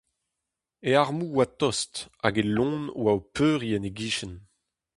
E armoù 'oa tost, hag e loen 'oa o peuriñ en e gichen.